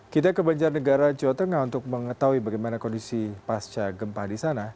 kita ke banjarnegara jawa tengah untuk mengetahui bagaimana kondisi pasca gempa di sana